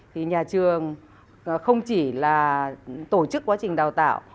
thì nhà trường không chỉ là tổ chức quá trình đào tạo